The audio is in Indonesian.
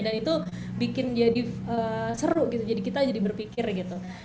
dan itu bikin jadi seru gitu jadi kita jadi berpikir gitu